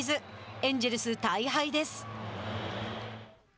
エンジェルス大敗です。